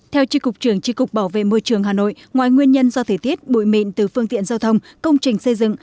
theo tri cục trường tri cục bảo vệ môi trường hà nội ngoài nguyên nhân do thể tiết bụi mịn từ phương tiện giao thông công trình xây dựng